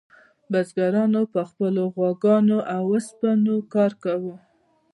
بزګرانو په خپلو غواګانو او اوسپنو کار کاوه.